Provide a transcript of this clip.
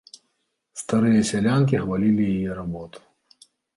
Старыя сялянкі хвалілі яе работу.